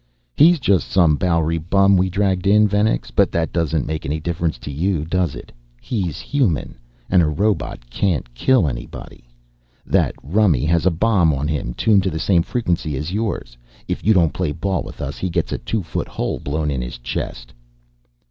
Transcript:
"He's just some Bowery bum we dragged in, Venex, but that doesn't make any difference to you, does it? He's human and a robot can't kill anybody! That rummy has a bomb on him tuned to the same frequency as yours, if you don't play ball with us he gets a two foot hole blown in his chest."